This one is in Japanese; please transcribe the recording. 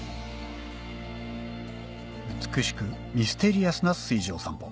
美しくミステリアスな水上散歩